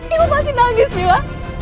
ibu masih nangis nila